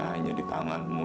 hanya di tanganmu